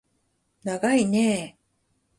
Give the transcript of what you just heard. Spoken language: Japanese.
ながいねー